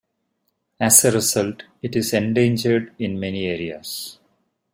As a result, it is endangered in many areas.